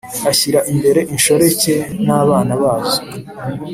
Ashyira imbere inshoreke n abana bazo